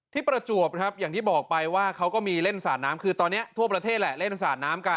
ที่ประจวบนะครับอย่างที่บอกไปว่าเขาก็มีเล่นอุตส่านน้ำคือตอนเนี้ยทั่วประเทศแหละเล่นอุตส่านน้ำน้ำกัน